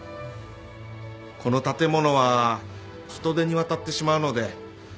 この建物は人手に渡ってしまうのでもう